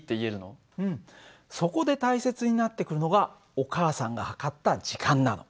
うんそこで大切になってくるのがお母さんが計った時間なの。